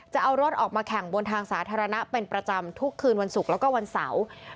จะเอารถออกมาแข่งบนทางสาธารณะเป็นประจำทุกคืนวันศุกร์แล้วก็วันเสาร์